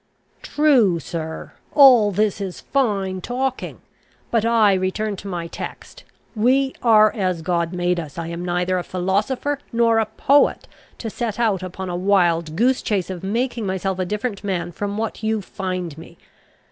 "True, sir; all this is fine talking. But I return to my text: we are as God made us. I am neither a philosopher nor a poet, to set out upon a wild goose chase of making myself a different man from what you find me.